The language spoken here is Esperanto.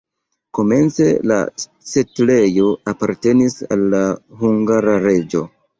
Komence la setlejo apartenis al la hungara reĝo.